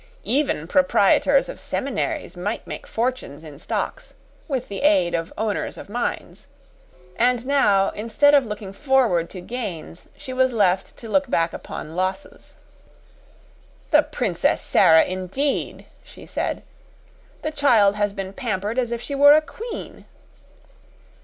Even proprietors of seminaries might make fortunes in stocks, with the aid of owners of mines. And now, instead of looking forward to gains, she was left to look back upon losses. "The Princess Sara, indeed!" she said. "The child has been pampered as if she were a QUEEN."